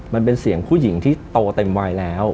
มันเป็นเสียงผู้หญิงที่โตเต็มวัยแล้ว